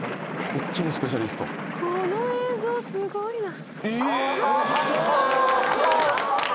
この映像すごいな。